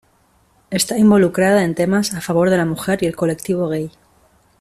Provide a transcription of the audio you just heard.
Está involucrada en temas a favor de la mujer y del colectivo gay.